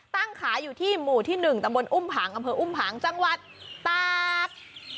ตั้งขายอยู่ที่หมู่ที่๑ตำบลอุ้มผังอำเภออุ้มผังจังหวัดตาก